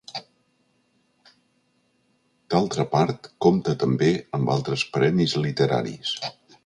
D'altra part, compta també amb altres premis literaris.